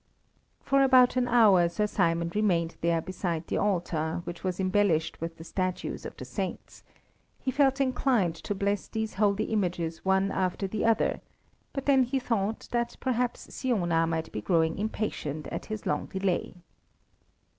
For about an hour Sir Simon remained there beside the altar, which was embellished with the statues of the Saints; he felt inclined to bless these holy images one after the other, but then he thought that perhaps Siona might be growing impatient at his long delay.